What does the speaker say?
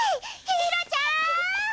ひろちゃーん！